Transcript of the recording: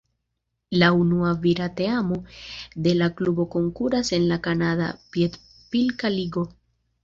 La unua vira teamo de la klubo konkuras en la Kanada piedpilka ligo.